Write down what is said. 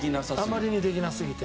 あまりにできなさすぎて。